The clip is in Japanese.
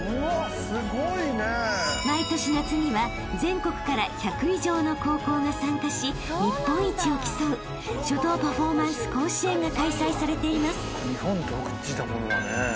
［毎年夏には全国から１００以上の高校が参加し日本一を競う書道パフォーマンス甲子園が開催されています］